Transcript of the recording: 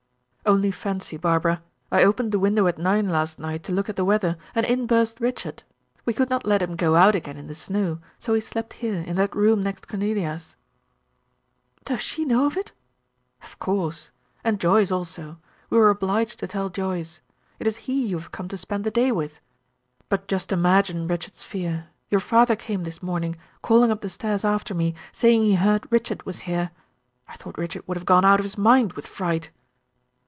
"Only fancy, Barbara, I opened the window at nine last night to look at the weather, and in burst Richard. We could not let him go out again in the snow, so he slept here, in that room next Cornelia's." "Does she know of it?" "Of course. And Joyce also; we were obliged to tell Joyce. It is he you have come to spend the day with. But just imagine Richard's fear. Your father came this morning, calling up the stairs after me, saying he heard Richard was here. I thought Richard would have gone out of his mind with fright."